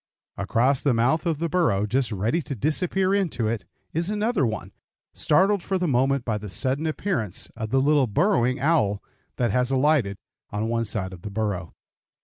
Across the mouth of the burrow, just ready to disappear into it, is another one, startled for the moment by the sudden appearance of a little burrowing owl that has alighted on one side of the burrow.